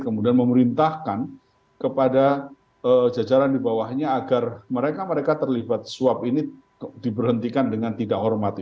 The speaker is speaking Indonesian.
kemudian memerintahkan kepada jajaran di bawahnya agar mereka mereka terlibat suap ini diberhentikan dengan tidak hormati